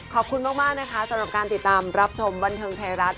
ขอบคุณมากนะคะสำหรับการติดตามรับชมบันเทิงไทยรัฐ